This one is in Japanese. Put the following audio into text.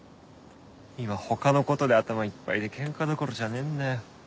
今他のことで頭いっぱいでケンカどころじゃねえんだよ。